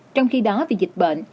trong khi đó vì dịch bệnh